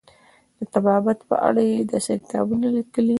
د طبابت په اړه یې داسې کتابونه لیکلي.